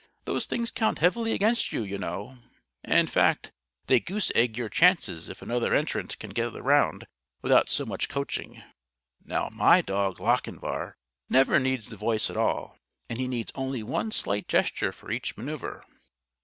Those things count heavily against you, you know. In fact, they goose egg your chances if another entrant can go the round without so much coaching. Now my dog Lochinvar never needs the voice at all and he needs only one slight gesture for each manoeuver.